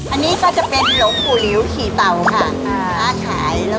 อันนี้ก็จะเป็นหลวงปู่หลิวขี่เป่าค่ะ